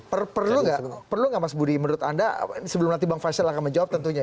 perlu nggak perlu nggak mas budi menurut anda sebelum nanti bang faisal akan menjawab tentunya